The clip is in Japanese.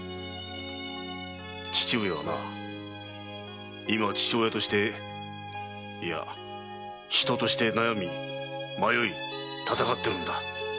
父上はな今父親としていや人として悩み迷い闘ってるんだ。